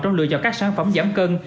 trong lựa chọn các sản phẩm giảm cân